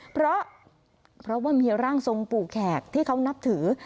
เพราะว่ามีร่างทรงปู่แขกที่เขานับถือ